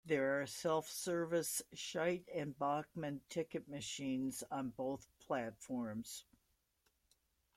There are self-service Scheidt and Bachmann ticket machines on both platforms.